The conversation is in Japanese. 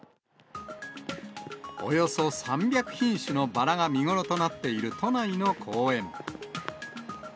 およそ３００品種のバラが見頃となっている、都内の公園。